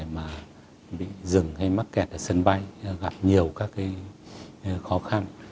mà bị dừng hay mắc kẹt ở sân bay gặp nhiều các khó khăn